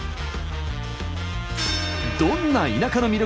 どんな田舎の魅力